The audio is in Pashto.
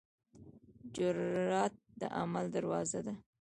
جرئت د عمل دروازه ده.